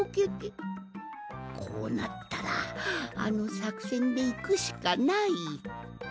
こうなったらあのさくせんでいくしかない！